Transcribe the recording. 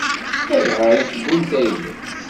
Ayɣer i tewwimt ayla-s?